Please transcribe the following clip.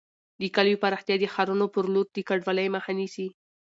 د کليو پراختیا د ښارونو پر لور د کډوالۍ مخه نیسي.